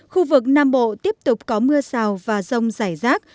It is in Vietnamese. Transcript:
khu vực nam bộ tiếp tục có mưa rào và rông rải rác